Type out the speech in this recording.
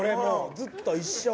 ずっと一生。